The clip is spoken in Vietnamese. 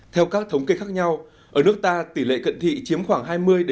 theo các thống kê khác nhau ở nước ta tỉ lệ cận thị chiếm khoảng hai mươi sáu mươi